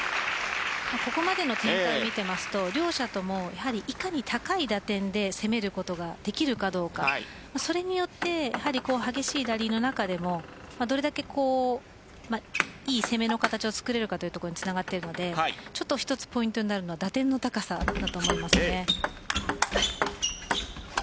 ここまでの展開を見ると両者ともいかに高い打点で攻めることができるかどうかそれによって激しいラリーの中でもどれだけいい攻めの形をつくれるかにつながっていくので一つポイントになるのが打点の高さだと思います。